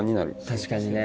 確かにね。